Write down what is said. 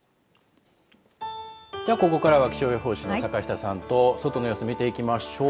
ではここからは気象予報士の坂下さんと外の様子見ていきましょう。